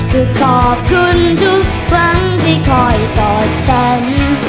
คือขอบคุณทุกครั้งที่คอยตอบฉัน